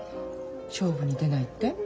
勝負に出ないって？